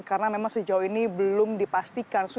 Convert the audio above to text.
karena memang sejauh ini belum dipastikan